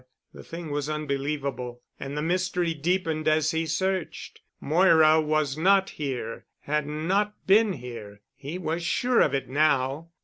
The thing was unbelievable, and the mystery deepened as he searched. Moira was not here—had not been here—he was sure of it now.